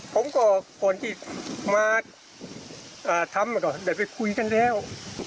ผมก็ก่อนที่มาทำก็ได้ไปคุยกันแล้ว